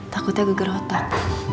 takutnya geger otak